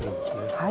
はい。